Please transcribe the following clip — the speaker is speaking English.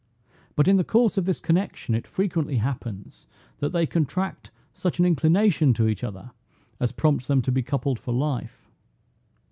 But in the course of this connection it frequently happens, that they contract such an inclination to each other, as prompts them to be coupled for life.